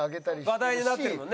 話題になってるもんね。